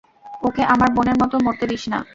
ওকে আমার বোনের মতো মরতে দিস না।